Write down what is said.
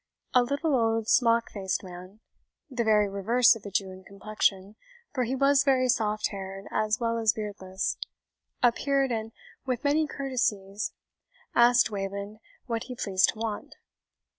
A little old smock faced man, the very reverse of a Jew in complexion, for he was very soft haired as well as beardless, appeared, and with many courtesies asked Wayland what he pleased to want.